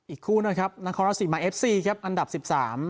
อีกคู่นะครับนครราชสีมาเอฟซีครับอันดับสิบสาม